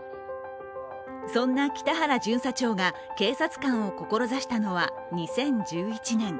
そんな喜多原巡査長が警察官を志したのは２０１１年。